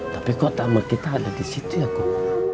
tapi kok nama kita ada di situ ya kum